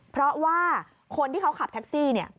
เพราะว่าคนที่เขาขับแท็กซี่เนี่ย